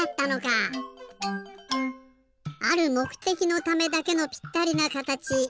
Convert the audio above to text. あるもくてきのためだけのぴったりなかたちすごいですね。